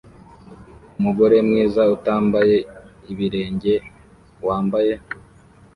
Umugore mwiza utambaye ibirenge wambaye